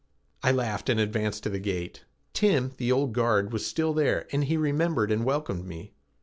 I laughed and advanced to the gate. Tim, the old guard, was still there, and he remembered and welcomed me.